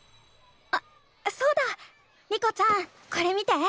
あそうだ。リコちゃんこれ見て。